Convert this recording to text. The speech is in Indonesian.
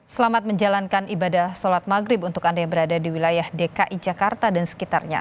selamat menjalankan ibadah sholat maghrib untuk anda yang berada di wilayah dki jakarta dan sekitarnya